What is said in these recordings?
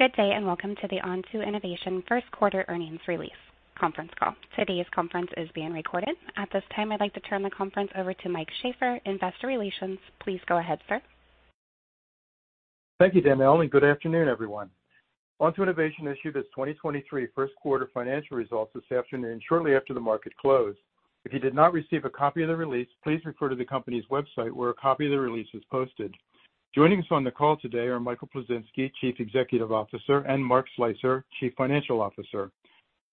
Good day. Welcome to the Onto Innovation First Quarter Earnings release Conference Call. Today's conference is being recorded. At this time, I'd like to turn the conference over to Mike Sheaffer, Investor Relations. Please go ahead, sir. Thank you, Danielle, and good afternoon, everyone. Onto Innovation issued its 2023 first quarter financial results this afternoon shortly after the market closed. If you did not receive a copy of the release, please refer to the company's website, where a copy of the release is posted. Joining us on the call today are Michael Plisinski, Chief Executive Officer; and Mark Slicer, Chief Financial Officer.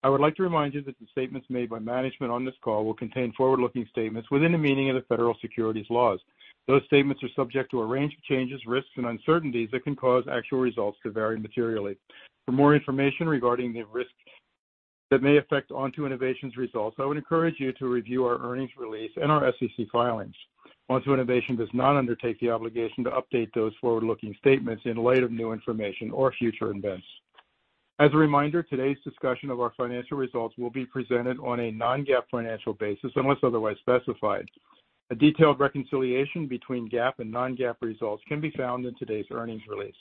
I would like to remind you that the statements made by management on this call will contain forward-looking statements within the meaning of the federal securities laws. Those statements are subject to a range of changes, risks, and uncertainties that can cause actual results to vary materially. For more information regarding the risks that may affect Onto Innovation's results, I would encourage you to review our earnings release and our SEC filings. Onto Innovation does not undertake the obligation to update those forward-looking statements in light of new information or future events. As a reminder, today's discussion of our financial results will be presented on a non-GAAP financial basis unless otherwise specified. A detailed reconciliation between GAAP and non-GAAP results can be found in today's earnings release.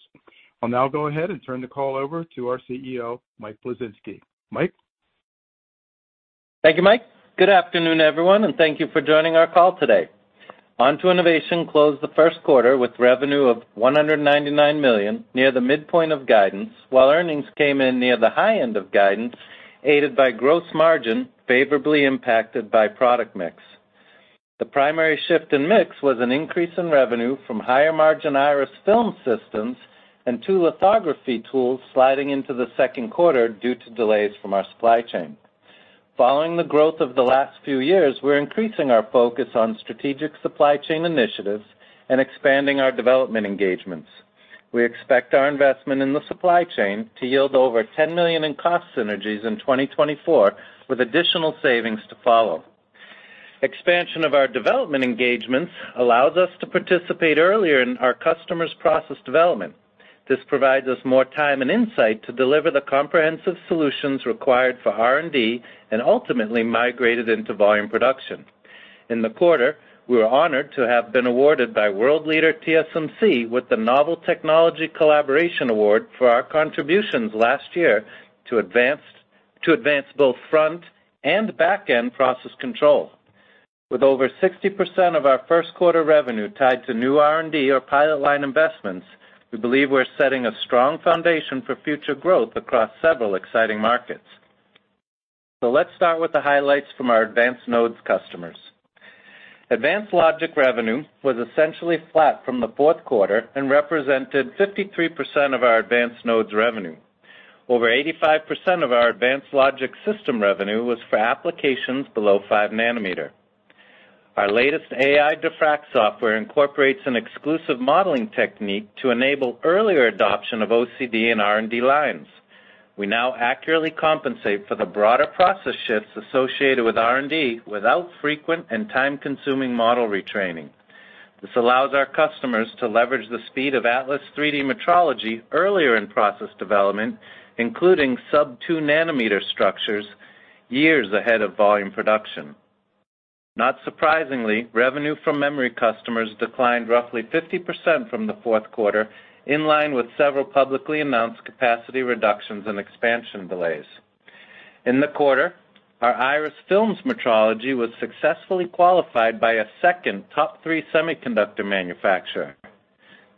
I'll now go ahead and turn the call over to our CEO, Mike Plisinski. Mike? Thank you, Mike. Good afternoon, everyone, and thank you for joining our call today. Onto Innovation closed the first quarter with revenue of $199 million, near the midpoint of guidance, while earnings came in near the high end of guidance, aided by gross margin favorably impacted by product mix. The primary shift in mix was an increase in revenue from higher-margin Iris film systems and two lithography tools sliding into the second quarter due to delays from our supply chain. Following the growth of the last few years, we're increasing our focus on strategic supply chain initiatives and expanding our development engagements. We expect our investment in the supply chain to yield over $10 million in cost synergies in 2024, with additional savings to follow. Expansion of our development engagements allows us to participate earlier in our customers' process development. This provides us more time and insight to deliver the comprehensive solutions required for R&D and ultimately migrated into volume production. In the quarter, we were honored to have been awarded by world leader TSMC with the Novel Technology Collaboration Award for our contributions last year to advance both front and back-end process control. With over 60% of our first quarter revenue tied to new R&D or pilot line investments, we believe we're setting a strong foundation for future growth across several exciting markets. Let's start with the highlights from our advanced nodes customers. Advanced logic revenue was essentially flat from the fourth quarter and represented 53% of our advanced nodes revenue. Over 85% of our advanced logic system revenue was for applications below 5 nanometer. Our latest AI-Diffract software incorporates an exclusive modeling technique to enable earlier adoption of OCD in R&D lines. We now accurately compensate for the broader process shifts associated with R&D without frequent and time-consuming model retraining. This allows our customers to leverage the speed of Atlas 3D metrology earlier in process development, including sub-2 nanometer structures years ahead of volume production. Not surprisingly, revenue from memory customers declined roughly 50% from the fourth quarter, in line with several publicly announced capacity reductions and expansion delays. In the quarter, our Iris films metrology was successfully qualified by a second top 3 semiconductor manufacturer.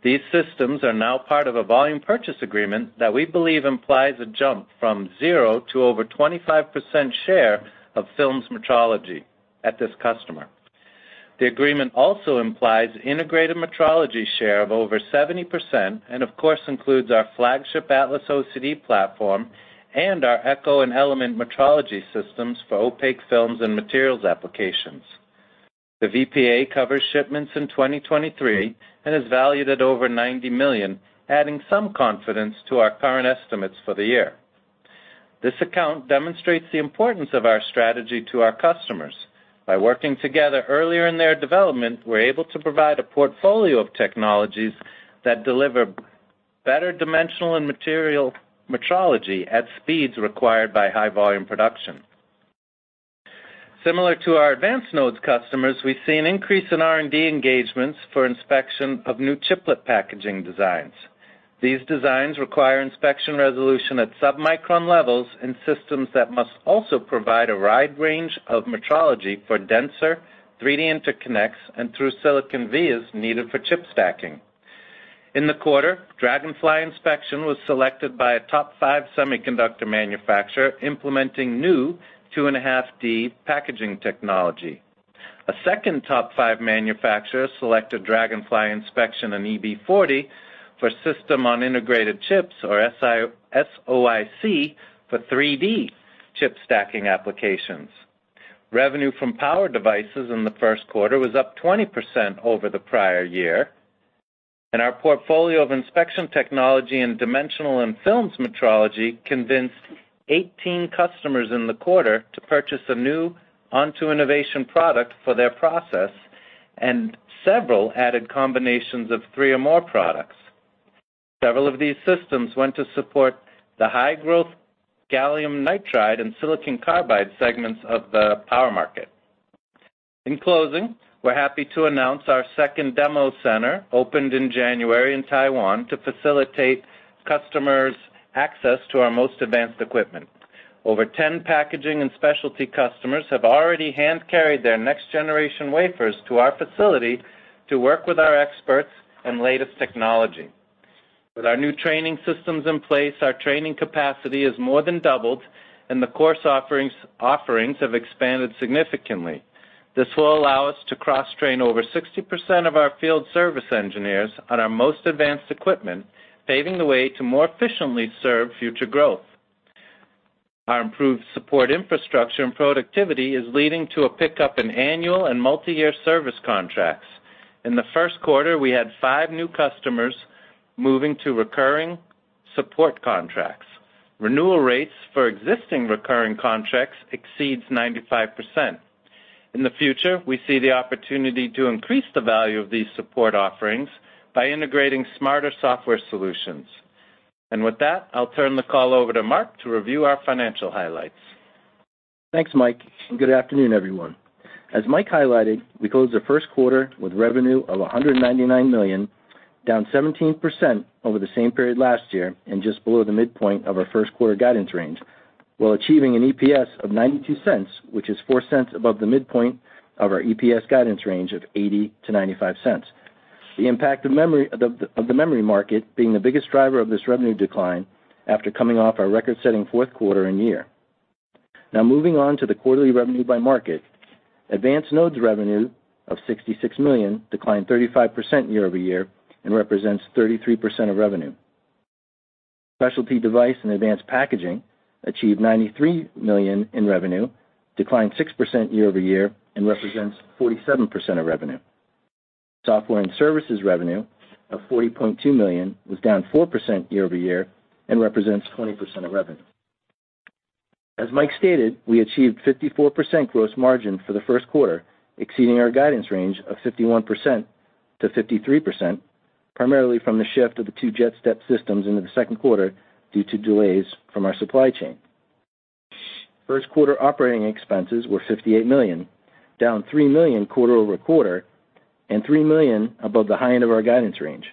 These systems are now part of a volume purchase agreement that we believe implies a jump from 0 to over 25% share of films metrology at this customer. The agreement also implies integrated metrology share of over 70%, and of course includes our flagship Atlas OCD platform and our Echo and Element metrology systems for opaque films and materials applications. The VPA covers shipments in 2023 and is valued at over $90 million, adding some confidence to our current estimates for the year. This account demonstrates the importance of our strategy to our customers. By working together earlier in their development, we're able to provide a portfolio of technologies that deliver better dimensional and material metrology at speeds required by high volume production. Similar to our advanced nodes customers, we see an increase in R&D engagements for inspection of new chiplet packaging designs. These designs require inspection resolution at submicron levels in systems that must also provide a wide range of metrology for denser, 3D interconnects and through-silicon vias needed for chip stacking. In the quarter, Dragonfly inspection was selected by a top five semiconductor manufacturer implementing new 2.5D packaging technology. A second top five manufacturer selected Dragonfly inspection in EB 40 for system-on-integrated-chips, or SoIC for 3D chip stacking applications. Revenue from power devices in the first quarter was up 20% over the prior year, and our portfolio of inspection technology in dimensional and films metrology convinced 18 customers in the quarter to purchase a new Onto Innovation product for their process, and several added combinations of three or more products. Several of these systems went to support the high-growth gallium nitride and silicon carbide segments of the power market. In closing, we're happy to announce our second demo center opened in January in Taiwan to facilitate customers' access to our most advanced equipment. Over 10 packaging and specialty customers have already hand-carried their next-generation wafers to our facility to work with our experts and latest technology. With our new training systems in place, our training capacity has more than doubled, and the course offerings have expanded significantly. This will allow us to cross-train over 60% of our field service engineers on our most advanced equipment, paving the way to more efficiently serve future growth. Our improved support infrastructure and productivity is leading to a pickup in annual and multiyear service contracts. In the first quarter, we had 5 new customers moving to recurring support contracts. Renewal rates for existing recurring contracts exceeds 95%. With that, I'll turn the call over to Mark to review our financial highlights. Thanks, Mike. Good afternoon, everyone. As Mike highlighted, we closed the first quarter with revenue of $199 million, down 17% year-over-year and just below the midpoint of our first-quarter guidance range, while achieving an EPS of $0.92, which is $0.04 above the midpoint of our EPS guidance range of $0.80-$0.95. The impact of the memory market being the biggest driver of this revenue decline after coming off our record-setting fourth quarter and year. Moving on to the quarterly revenue by market. Advanced nodes revenue of $66 million declined 35% year-over-year and represents 33% of revenue. Specialty device and advanced packaging achieved $93 million in revenue, declined 6% year-over-year and represents 47% of revenue. Software and services revenue of $40.2 million was down 4% year-over-year and represents 20% of revenue. As Mike stated, we achieved 54% gross margin for the first quarter, exceeding our guidance range of 51%-53%, primarily from the shift of the two JetStep systems into the second quarter due to delays from our supply chain. First quarter operating expenses were $58 million, down $3 million quarter-over-quarter, and $3 million above the high end of our guidance range.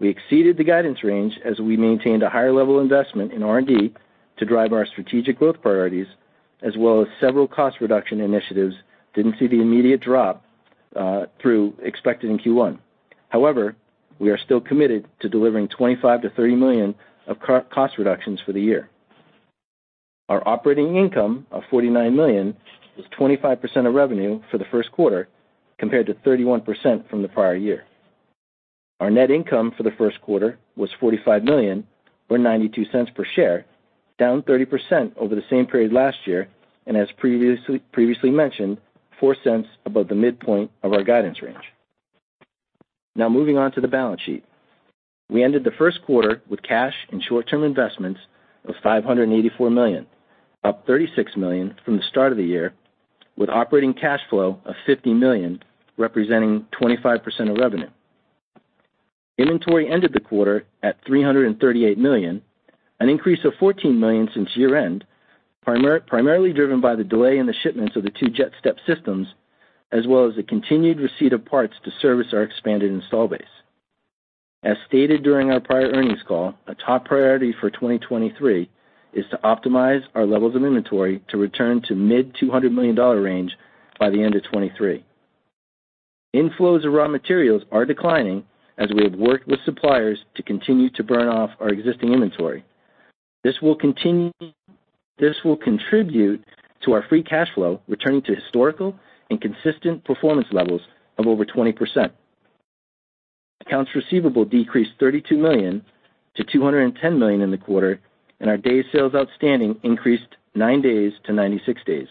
We exceeded the guidance range as we maintained a higher level investment in R&D to drive our strategic growth priorities, as well as several cost reduction initiatives didn't see the immediate drop through expected in Q1. However, we are still committed to delivering $25 million-$30 million of cost reductions for the year. Our operating income of $49 million was 25% of revenue for the first quarter, compared to 31% from the prior year. Our net income for the first quarter was $45 million, or $0.92 per share, down 30% over the same period last year. As previously mentioned, $0.04 above the midpoint of our guidance range. Moving on to the balance sheet. We ended the first quarter with cash and short-term investments of $584 million, up $36 million from the start of the year, with operating cash flow of $50 million, representing 25% of revenue. Inventory ended the quarter at $338 million, an increase of $14 million since year-end, primarily driven by the delay in the shipments of the two JetStep systems, as well as the continued receipt of parts to service our expanded install base. As stated during our prior earnings call, a top priority for 2023 is to optimize our levels of inventory to return to mid $200 million range by the end of 2023. Inflows of raw materials are declining as we have worked with suppliers to continue to burn off our existing inventory. This will contribute to our free cash flow returning to historical and consistent performance levels of over 20%. Accounts receivable decreased $32 million to $210 million in the quarter, and our day sales outstanding increased 9 days to 96 days.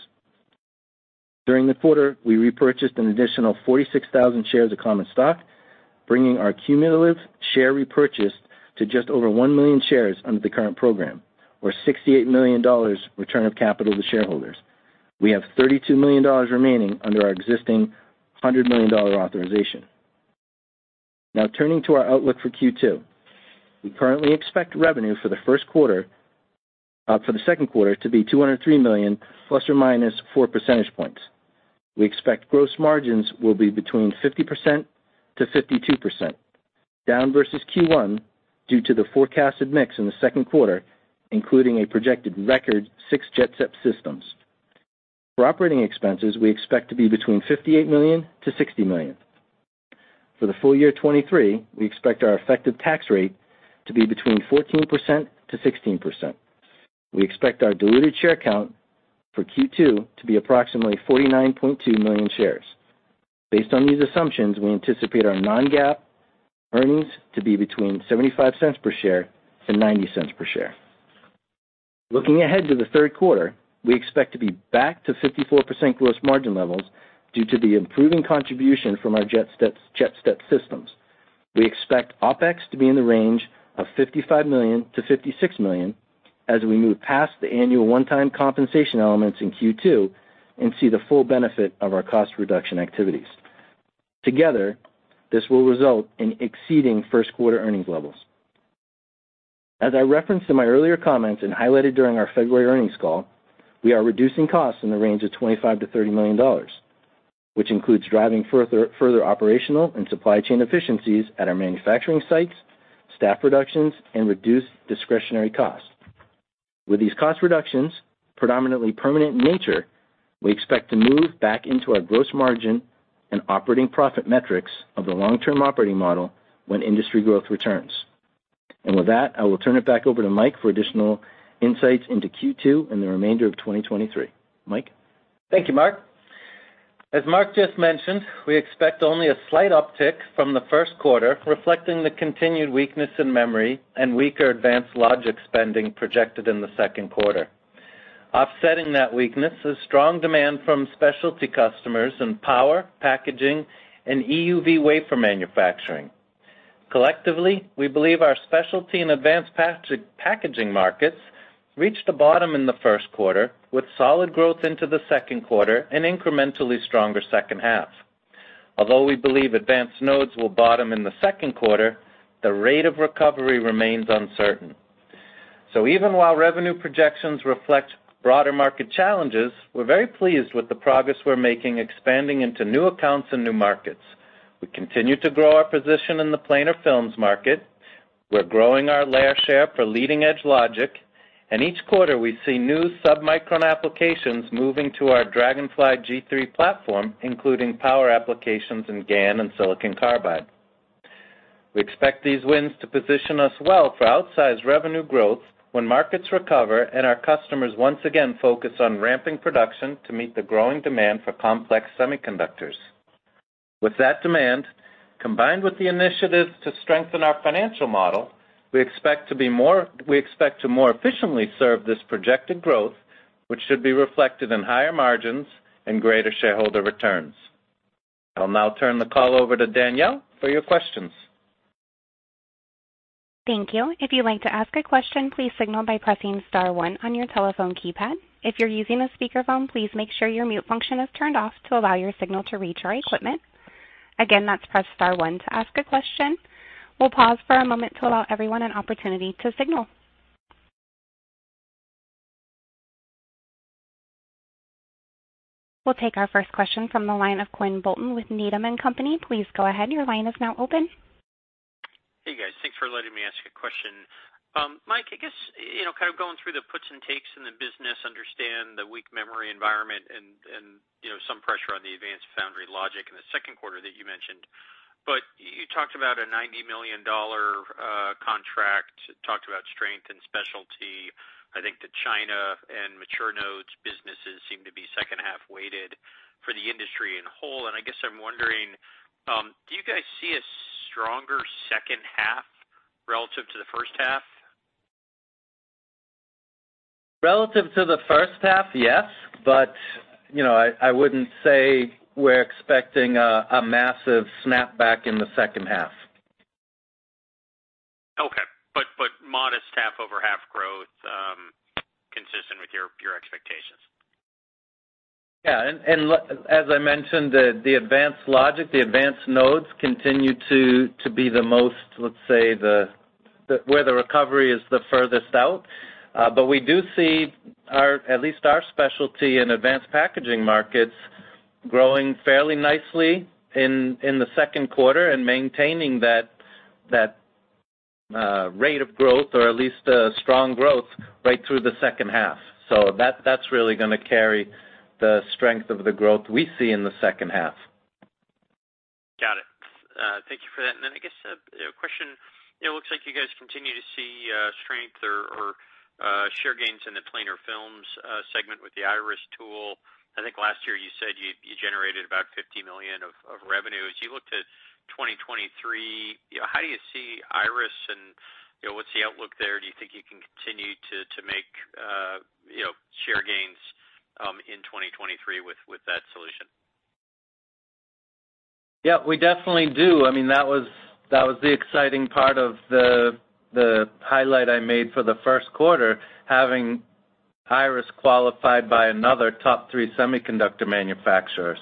During the quarter, we repurchased an additional 46,000 shares of common stock, bringing our cumulative share repurchase to just over 1 million shares under the current program, or $68 million return of capital to shareholders. We have $32 million remaining under our existing $100 million authorization. Now turning to our outlook for Q2. We currently expect revenue for the second quarter to be $203 million, plus or minus four percentage points. We expect gross margins will be between 50%-52%, down versus Q1 due to the forecasted mix in the second quarter, including a projected record six JetStep systems. For operating expenses, we expect to be between $58 million-$60 million. For the full year 2023, we expect our effective tax rate to be between 14%-16%. We expect our diluted share count for Q2 to be approximately 49.2 million shares. Based on these assumptions, we anticipate our non-GAAP earnings to be between $0.75 per share and $0.90 per share. Looking ahead to the third quarter, we expect to be back to 54% gross margin levels due to the improving contribution from our JetStep systems. We expect OpEx to be in the range of $55 million-$56 million as we move past the annual one-time compensation elements in Q2 and see the full benefit of our cost reduction activities. Together, this will result in exceeding first quarter earning levels. As I referenced in my earlier comments and highlighted during our February earnings call, we are reducing costs in the range of $25 million-$30 million, which includes driving further operational and supply chain efficiencies at our manufacturing sites, staff reductions, and reduced discretionary costs. With these cost reductions predominantly permanent in nature, we expect to move back into our gross margin and operating profit metrics of the long-term operating model when industry growth returns. With that, I will turn it back over to Mike for additional insights into Q2 and the remainder of 2023. Mike? Thank you, Mark. As Mark just mentioned, we expect only a slight uptick from the first quarter, reflecting the continued weakness in memory and weaker advanced logic spending projected in the second quarter. Offsetting that weakness is strong demand from specialty customers in power, packaging, and EUV wafer manufacturing. Collectively, we believe our specialty and advanced packaging markets reached the bottom in the first quarter, with solid growth into the second quarter and incrementally stronger second half. Although we believe advanced nodes will bottom in the second quarter, the rate of recovery remains uncertain. Even while revenue projections reflect broader market challenges, we're very pleased with the progress we're making expanding into new accounts and new markets. We continue to grow our position in the planar films market. We're growing our layer share for leading-edge logic, and each quarter, we see new submicron applications moving to our Dragonfly G3 platform, including power applications in GaN and silicon carbide. We expect these wins to position us well for outsized revenue growth when markets recover and our customers once again focus on ramping production to meet the growing demand for complex semiconductors. With that demand, combined with the initiatives to strengthen our financial model, we expect to more efficiently serve this projected growth, which should be reflected in higher margins and greater shareholder returns. I'll now turn the call over to Danielle for your questions. Thank you. If you'd like to ask a question, please signal by pressing star one on your telephone keypad. If you're using a speakerphone, please make sure your mute function is turned off to allow your signal to reach our equipment. Again, that's press star one to ask a question. We'll pause for a moment to allow everyone an opportunity to signal. We'll take our first question from the line of Quinn Bolton with Needham & Company. Please go ahead. Your line is now open. Hey, guys. Thanks for letting me ask a question. Mike, I guess, you know, kind of going through the puts and takes in the business, understand the weak memory environment and, you know, some pressure on the advanced foundry logic in the second quarter that you mentioned. You talked about a $90 million contract, talked about strength and specialty. I think the China and mature nodes businesses seem to be second-half weighted for the industry in whole. I guess I'm wondering, do you guys see a stronger second half relative to the first half? Relative to the first half, yes. You know, I wouldn't say we're expecting a massive snapback in the second half. Okay. modest half-over-half growth, consistent with your expectations. Yeah. And, as I mentioned, the advanced logic, the advanced nodes continue to be the most, let's say, where the recovery is the furthest out. But we do see at least our specialty in advanced packaging markets growing fairly nicely in the second quarter and maintaining that rate of growth or at least a strong growth right through the second half. That's really gonna carry the strength of the growth we see in the second half. Got it. Thank you for that. I guess, you know, question, you know, looks like you guys continue to see strength or share gains in the planar films segment with the Iris tool. I think last year you said you generated about $50 million of revenue. As you look to 2023, you know, how do you see Iris and, you know, what's the outlook there? Do you think you can continue to make, you know, share gains in 2023 with that solution? Yeah, we definitely do. I mean, that was, that was the exciting part of the highlight I made for the first quarter, having Iris qualified by another top 3 semiconductor manufacturer.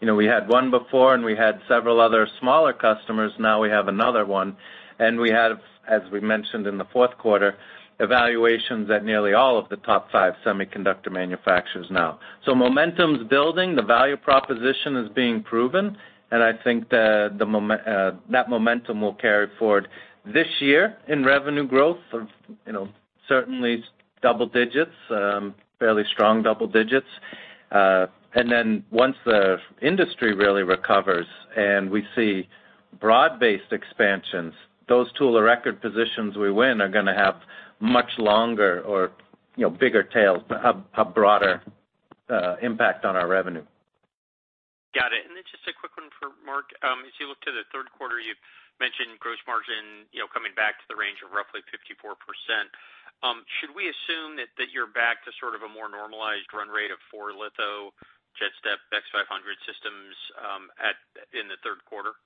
You know, we had one before, and we had several other smaller customers. Now we have another one, and we have, as we mentioned in the fourth quarter, evaluations at nearly all of the top five semiconductor manufacturers now. Momentum's building. The value proposition is being proven, and I think that momentum will carry forward this year in revenue growth of, you know, certainly double digits, fairly strong double digits. Once the industry really recovers and we see broad-based expansions, those tool or record positions we win are gonna have much longer or, you know, bigger tails, a broader impact on our revenue. Got it. Just a quick one for Mark. As you look to the third quarter, you mentioned gross margin, you know, coming back to the range of roughly 54%. Should we assume that you're back to sort of a more normalized run rate of four litho JetStep X500 systems, in the third quarter?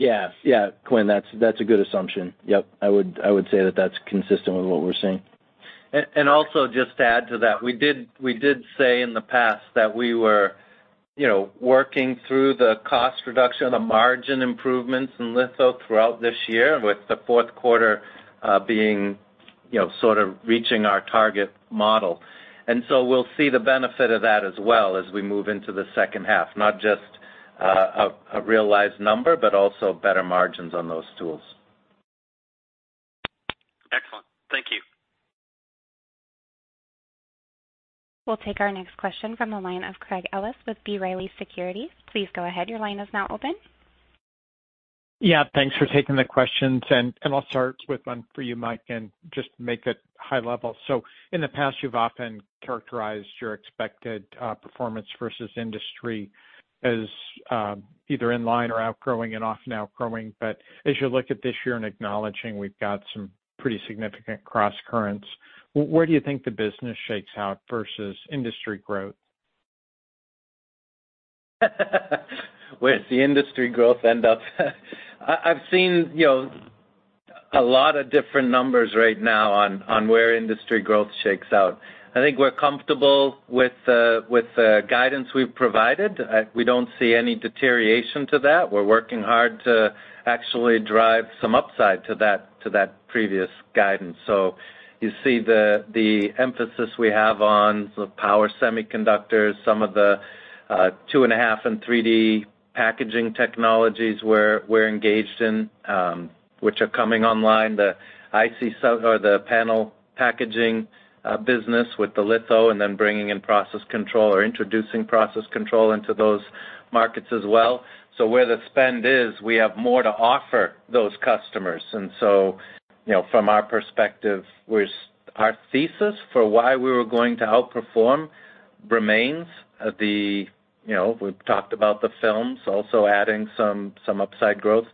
Yeah. Yeah. Quinn, that's a good assumption. Yep. I would say that that's consistent with what we're seeing. Also just to add to that, we did say in the past that we were, you know, working through the cost reduction, the margin improvements in litho throughout this year with the fourth quarter, being, you know, sort of reaching our target model. We'll see the benefit of that as well as we move into the second half, not just, a realized number, but also better margins on those tools. Excellent. Thank you. We'll take our next question from the line of Craig Ellis with B. Riley Securities. Please go ahead. Your line is now open. Thanks for taking the questions. I'll start with one for you, Mike, and just make it high level. In the past, you've often characterized your expected performance versus industry as either in line or outgrowing and often outgrowing. As you look at this year and acknowledging we've got some pretty significant crosscurrents, where do you think the business shakes out versus industry growth? Where's the industry growth end up? I've seen, you know, a lot of different numbers right now on where industry growth shakes out. I think we're comfortable with the guidance we've provided. We don't see any deterioration to that. We're working hard to actually drive some upside to that previous guidance. You see the emphasis we have on the power semiconductors, some of the 2.5D and 3D packaging technologies we're engaged in, which are coming online. The IC substrate or the panel packaging business with the litho and then bringing in process control or introducing process control into those markets as well. Where the spend is, we have more to offer those customers. You know, from our perspective, our thesis for why we were going to outperform remains. The, you know, we've talked about the films also adding some upside growth.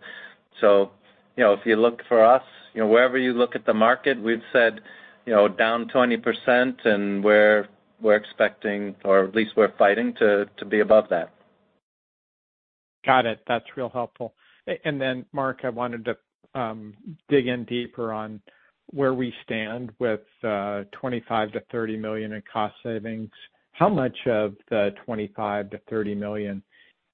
You know, if you look for us, you know, wherever you look at the market, we've said, you know, down 20%, and we're expecting or at least we're fighting to be above that. Got it. That's real helpful. Mark, I wanted to dig in deeper on where we stand with $25 million-$30 million in cost savings. How much of the $25 million-$30 million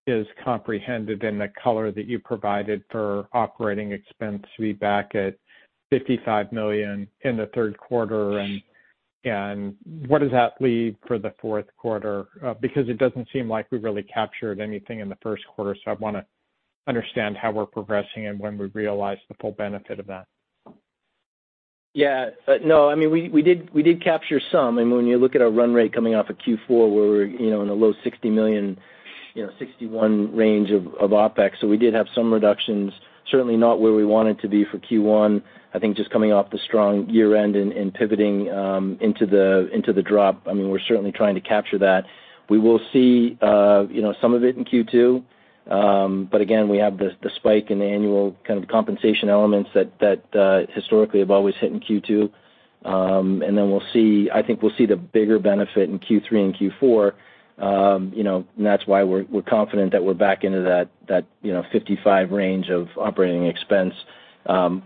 is comprehended in the color that you provided for operating expense to be back at $55 million in the third quarter? What does that leave for the fourth quarter? Because it doesn't seem like we really captured anything in the first quarter, so I want to understand how we're progressing and when we realize the full benefit of that. Yeah. No, I mean, we did capture some. I mean, when you look at our run rate coming off of Q4, we were, you know, in the low $60 million, you know, $61 range of OpEx. We did have some reductions, certainly not where we wanted to be for Q1. I think just coming off the strong year-end and pivoting into the drop, I mean, we're certainly trying to capture that. We will see, you know, some of it in Q2. Again, we have the spike in annual kind of compensation elements that historically have always hit in Q2. I think we'll see the bigger benefit in Q3 and Q4. You know, that's why we're confident that we're back into that, you know, 55 range of operating expense,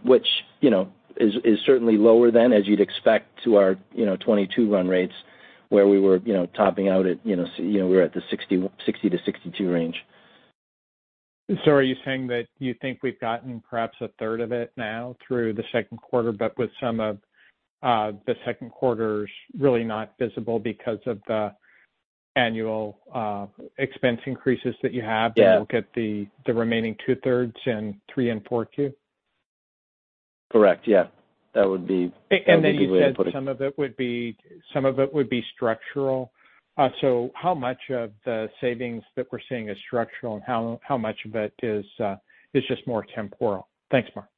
which, you know, is certainly lower than as you'd expect to our, you know, 2022 run rates where we were, you know, topping out at, you know, we're at the 60-62 range. Are you saying that you think we've gotten perhaps a third of it now through the second quarter, but with some of the second quarter's really not visible because of the annual expense increases that you have? Yeah. we'll get the remaining two thirds in 3 and 4 Q? Correct. Yeah. That would be You said some of it would be structural. How much of the savings that we're seeing is structural and how much of it is just more temporal? Thanks, Mark.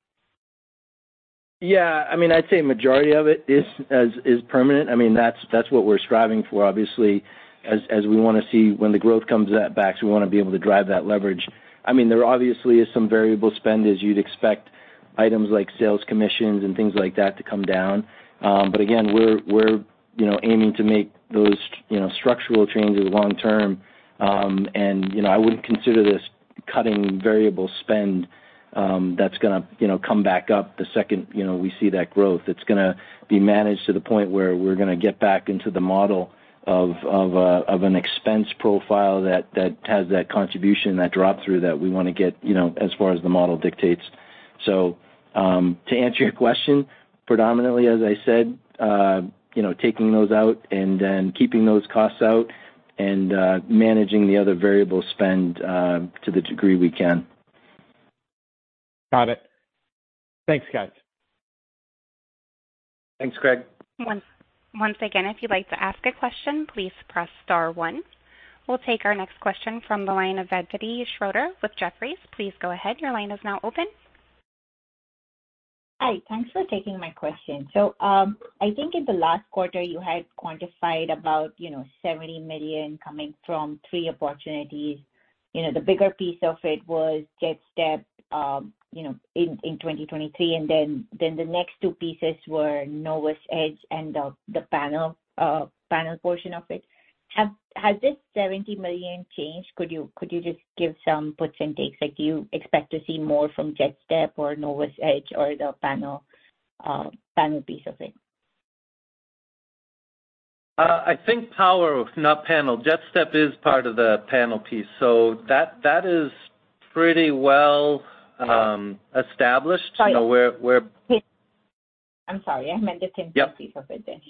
Yeah. I mean, I'd say majority of it is as, is permanent. I mean, that's what we're striving for, obviously, as we want to see when the growth comes back, so we want to be able to drive that leverage. I mean, there obviously is some variable spend as you'd expect items like sales commissions and things like that to come down. Again, we're, you know, aiming to make those, you know, structural changes long term. You know, I wouldn't consider this cutting variable spend, that's gonna, you know, come back up the second, you know, we see that growth. It's gonna be managed to the point where we're gonna get back into the model of an expense profile that has that contribution, that drop through that we wanna get, you know, as far as the model dictates. To answer your question, predominantly, as I said, you know, taking those out and then keeping those costs out and managing the other variable spend to the degree we can. Got it. Thanks, guys. Thanks, Craig. Once again, if you'd like to ask a question, please press star one. We'll take our next question from the line of Vedvati Shrotri with Jefferies. Please go ahead. Your line is now open. Hi. Thanks for taking my question. I think in the last quarter you had quantified about, you know, $70 million coming from three opportunities. You know, the bigger piece of it was JetStep, you know, in 2023, and the next two pieces were NovusEdge and the panel portion of it. Has this $70 million changed? Could you just give some puts and takes? Like, do you expect to see more from JetStep or NovusEdge or the panel piece of it? I think power, not panel. JetStep is part of the panel piece, so that is pretty well established. Sorry. You know, we're-. I'm sorry. I meant the thin piece of it then.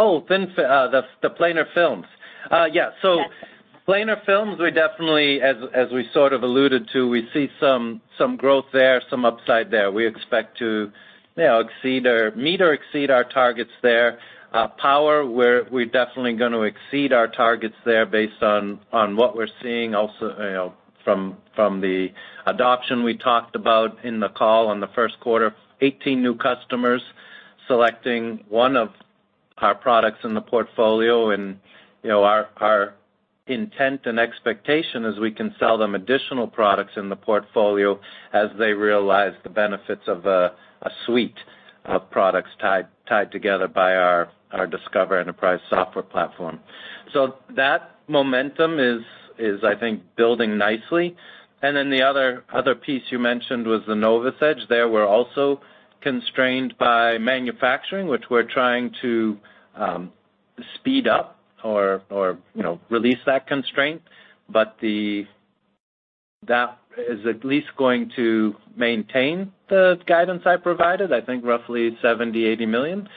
Yep. Yeah. The planar films. Yeah. Yes. Planar films, we definitely as we sort of alluded to, we see some growth there, some upside there. We expect to, you know, exceed or meet or exceed our targets there. Power, we're definitely gonna exceed our targets there based on what we're seeing also, you know, from the adoption we talked about in the call on the first quarter. 18 new customers selecting one of our products in the portfolio and, you know, our intent and expectation is we can sell them additional products in the portfolio as they realize the benefits of a suite of products tied together by our Discover Enterprise software platform. That momentum is I think building nicely. The other piece you mentioned was the NovusEdge. There we're also constrained by manufacturing, which we're trying to, speed up or, you know, release that constraint. That is at least going to maintain the guidance I provided, I think roughly $70 million-$80 million,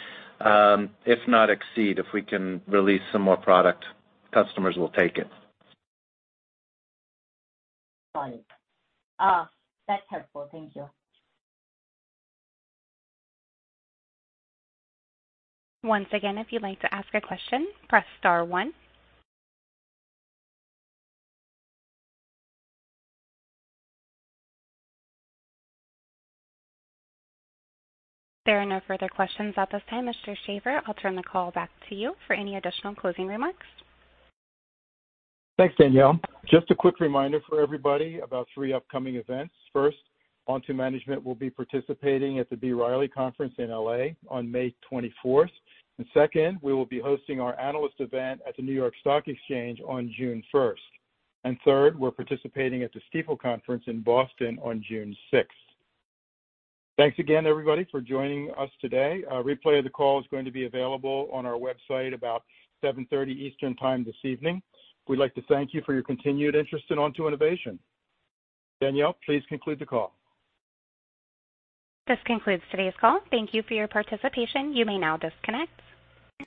if not exceed. If we can release some more product, customers will take it. Got it. That's helpful. Thank you. Once again, if you'd like to ask a question, press star one. There are no further questions at this time. Mike Sheaffer, I'll turn the call back to you for any additional closing remarks. Thanks, Danielle. Just a quick reminder for everybody about 3 upcoming events. First, Onto Management will be participating at the B. Riley Conference in L.A. on May 24th. Second, we will be hosting our analyst event at the New York Stock Exchange on June 1st. Third, we're participating at the Stifel Conference in Boston on June 6th. Thanks again everybody for joining us today. A replay of the call is going to be available on our website about 7:30 P.M. Eastern Time this evening. We'd like to thank you for your continued interest in Onto Innovation. Danielle, please conclude the call. This concludes today's call. Thank you for your participation. You may now disconnect.